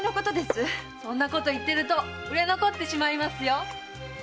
そんなこと言ってると売れ残ってしまいますよ。